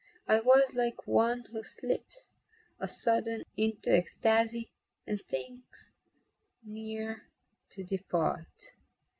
I was like one who slips A sudden into Ecstasy And thinks ne'er to depart.